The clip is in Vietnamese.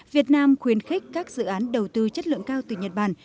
việt nam khuyến khích các dự án đầu tư chất lượng cao từ nhật bản